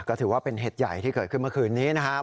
ก็ถือว่าเป็นเหตุใหญ่ที่เกิดขึ้นเมื่อคืนนี้นะครับ